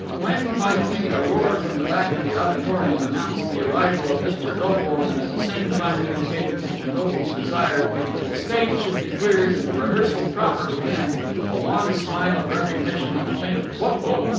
When, finally, a roar from the back of the auditorium announced the arrival of Mr. Goble and at the same time indicated Mr. Goble's desire that the stage should be cleared and the rehearsal proper begin, a wan smile of recognition and a faint "What ho!"